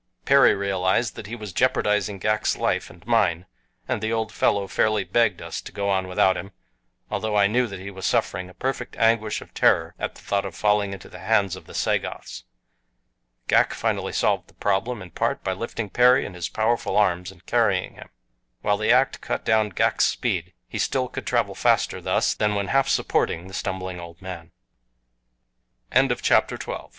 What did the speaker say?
Perry realized that he was jeopardizing Ghak's life and mine and the old fellow fairly begged us to go on without him, although I knew that he was suffering a perfect anguish of terror at the thought of falling into the hands of the Sagoths. Ghak finally solved the problem, in part, by lifting Perry in his powerful arms and carrying him. While the act cut down Ghak's speed he still could travel faster thus than when half supporting the stumbling old man. XIII THE SLY ONE THE SA